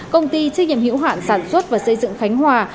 công ty trách nhiệm hiểu hạn sản xuất và xây dựng khánh hòa